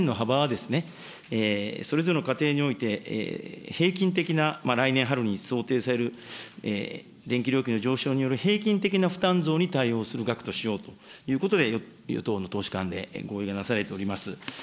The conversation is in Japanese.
他方、支援の幅はそれぞれの家庭において平均的な来年春に想定される電気料金の上昇による平均的な負担増に対応する額にしようということで、与党の党首間で合意がなされております。